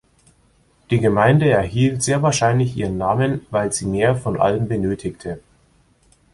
Die Gemeinde erhielt sehr wahrscheinlich ihren Namen, weil sie mehr von allem benötigte.